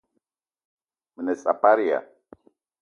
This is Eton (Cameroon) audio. Me ne saparia !